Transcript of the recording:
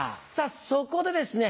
そこでですね